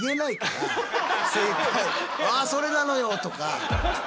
「あそれなのよ」とか。